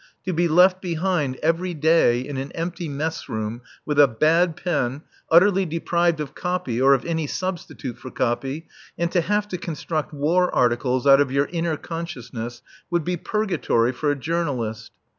To be left behind, every day, in an empty mess room, with a bad pen, utterly deprived of copy or of any substitute for copy, and to have to construct war articles out of your inner consciousness, would be purgatory for a journalist.